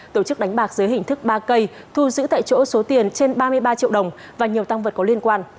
tổ chức đánh bạc dưới hình thức ba cây thu giữ tại chỗ số tiền trên ba mươi ba triệu đồng và nhiều tăng vật có liên quan